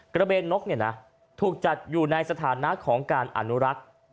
กระเบนนกเนี่ยนะถูกจัดอยู่ในสถานะของการอนุรักษ์